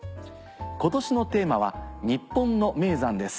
今年のテーマは「日本の名山」です。